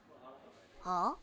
はあ？